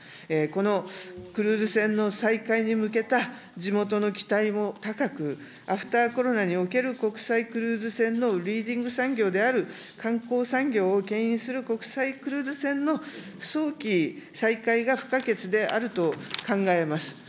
このクルーズ船の再開に向けた地元の期待も高く、アフターコロナにおける国際クルーズ船のリーディング産業である観光産業をけん引する国際クルーズ船の早期再開が不可欠であると考えます。